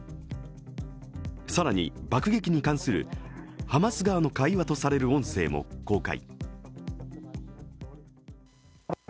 更に、爆撃に関するハマス側の会話とされる音声も公開。